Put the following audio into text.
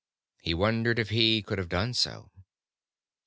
He wondered if he could have done so.